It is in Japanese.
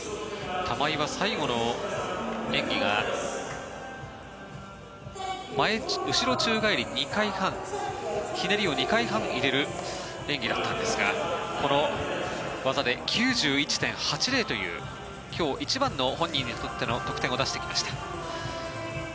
玉井は最後の演技が後ろ宙返り２回半ひねりを２回半入れる演技だったんですがこの技で９１．８０という今日一番の本人にとっての得点を出してきました。